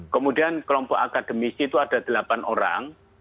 kemudian kelompok akademisi itu ada delapan orang